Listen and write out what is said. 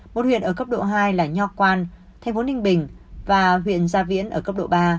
một huyện ở cấp độ hai là nho quan thành phố ninh bình và huyện gia viễn ở cấp độ ba